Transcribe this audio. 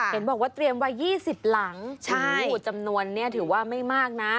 เห็นบอกว่าเตรียมไว้๒๐หลังจำนวนนี้ถือว่าไม่มากนะ